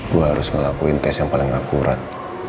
gue harus ngelakuin tes yang paling akurat